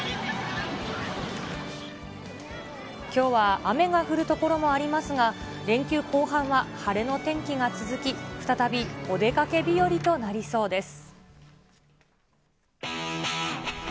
きょうは雨が降る所もありますが、連休後半は晴れの天気が続き、再びお出かけ日和となりそうです。